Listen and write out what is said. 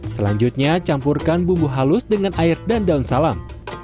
selanjutnya campurkan bumbu halus dengan air dan daun salam